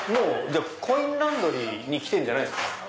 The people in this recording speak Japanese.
コインランドリーに来てるんじゃないんですか？